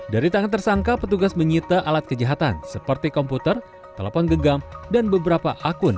dari tangan tersangka petugas menyita alat kejahatan seperti komputer telepon gegam dan beberapa akun di dark website